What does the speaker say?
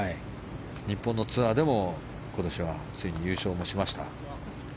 日本のツアーでも今年はついに優勝もしました。